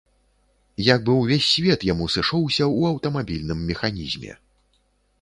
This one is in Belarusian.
Як бы ўвесь свет яму сышоўся ў аўтамабільным механізме.